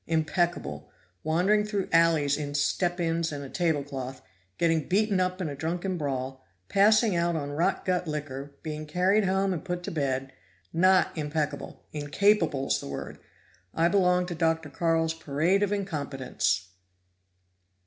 Impeccable! Wandering through alleys in step ins and a table cloth getting beaten up in a drunken brawl passing out on rot gut liquor being carried home and put to bed! Not impeccable; incapable's the word! I belong to Dr. Carl's parade of incompetents."